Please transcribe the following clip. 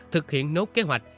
thực hiện nốt kế hoạch